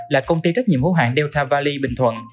là công ty trách nhiệm hữu hạng delta valley bình thuận